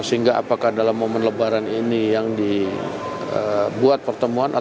sehingga apakah dalam momen lebaran ini yang dibuat pertemuan